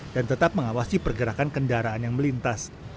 dan tetap mengawasi pergerakan kendaraan yang melintas